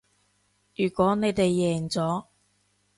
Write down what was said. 如果你哋贏咗